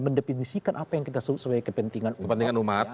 mendefinisikan apa yang kita soal kepentingan umat